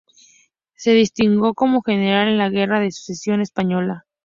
Se distinguió como general en la Guerra de Sucesión Española.